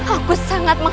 aku tidak akan muncul